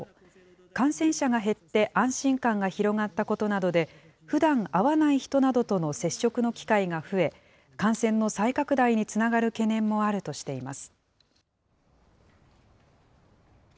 感染者が減って安心感が広がったことなどで、ふだん会わない人などとの接触の機会が増え、感染の再拡大につながる懸念もあるとしています。